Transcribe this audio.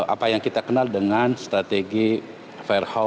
apa yang kita kenal dengan strategi firehose